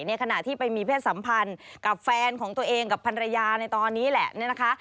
ขณะที่ไปมีเพศสัมพันธ์กับแฟนของตัวเองกับภรรยาในตอนนี้แหละเนี่ยนะคะ